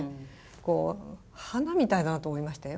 こう花みたいだなと思いましたよ。